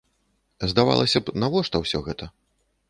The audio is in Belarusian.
Здавалася б, навошта ўсё гэта?